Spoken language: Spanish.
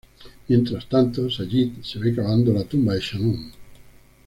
Mientras tanto, Sayid se ve cavando la tumba de Shannon.